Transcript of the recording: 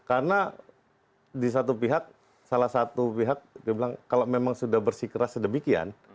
karena di satu pihak salah satu pihak dia bilang kalau memang sudah bersikeras sedemikian